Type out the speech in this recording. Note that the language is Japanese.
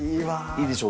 いいでしょ？